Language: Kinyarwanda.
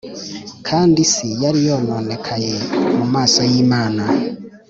Kandi isi yari yononekaye mu maso y imana